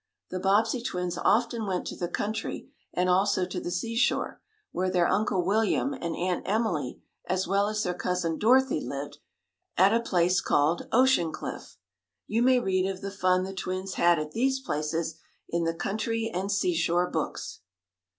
The Bobbsey twins often went to the country, and also to the seashore, where their Uncle William and Aunt Emily, as well as their cousin Dorothy, lived, at a place called Ocean Cliff. You may read of the fun the twins had at these places in the country and seashore books.